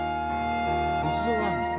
仏像があるんだ。